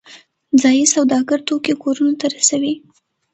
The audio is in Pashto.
ځایی سوداګر توکي کورونو ته رسوي